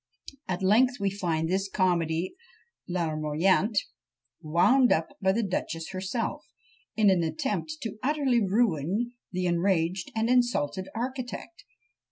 At length we find this comédie larmoyante wound up by the duchess herself, in an attempt utterly to ruin the enraged and insulted architect!